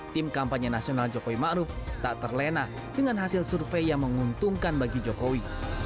tim kampanye nasional jokowi ⁇ maruf ⁇ tak terlena dengan hasil survei yang menguntungkan bagi jokowi